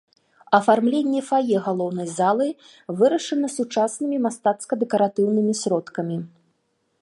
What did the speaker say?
Афармленне фае галоўнай залы вырашана сучаснымі мастацка-дэкаратыўнымі сродкамі.